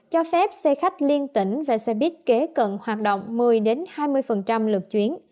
cho phép xe khách liên tỉnh và xe buýt kế cận hoạt động một mươi hai mươi lượt chuyến